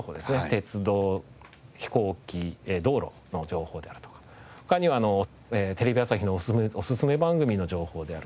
鉄道飛行機道路の情報であるとか他にはテレビ朝日のおすすめ番組の情報であるとか。